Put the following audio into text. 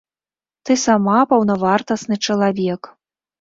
Ты сама паўнавартасны чалавек.